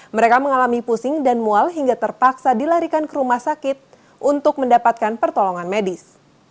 mereka mengalami pusing dan mual hingga terpaksa dilarikan ke rumah sakit untuk mendapatkan pertolongan medis